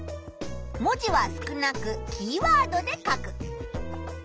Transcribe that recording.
文字は少なくキーワードで書く。